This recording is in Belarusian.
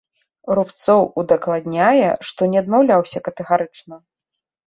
Рубцоў удакладняе, што не адмаўляўся катэгарычна.